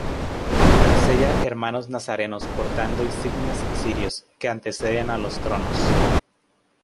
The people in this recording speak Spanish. Tras ella hermanos nazarenos portando insignias y cirios que anteceden a los tronos.